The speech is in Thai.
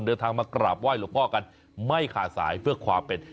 เดินทางมากราบไห้หลวงพ่อกันไม่ขาดสายเพื่อความเป็น